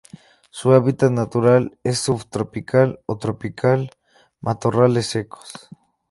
Su hábitat natural es: subtropical o tropical matorrales secos.